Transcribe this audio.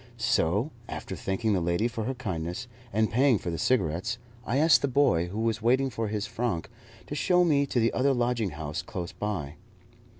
So, after thanking the lady for her kindness and paying for the cigarettes, I asked the boy, who was waiting for his franc, to show me to the other lodging house close by.